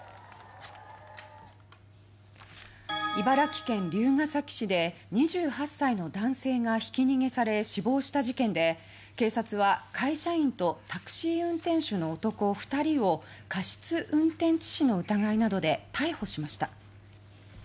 茨城県龍ケ崎市で２８歳の男性がひき逃げされ死亡した事件で警察は会社員とタクシー運転手の男２人を過失運転致死の疑いなどで逮捕しました。